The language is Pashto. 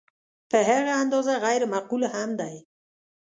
په هغه اندازه غیر معقول هم دی.